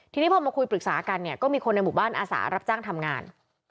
ทีนี้พอมาคุยปรึกษากันเนี่ยก็มีคนในหมู่บ้านอาสารับจ้างทำงาน